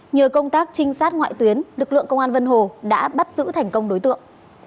nhờ công tác trinh sát ngoại tuyến lực lượng công an vân hồ đã bắt giữ thành công đối tượng